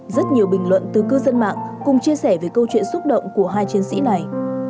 rất nhiều bình luận từ cư dân mạng cùng chia sẻ về câu chuyện xúc động của hai chiến sĩ này